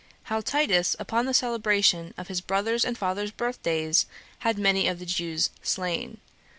How Titus Upon The Celebration Of His Brothers And Fathers Birthdays Had Many Of The Jews Slain.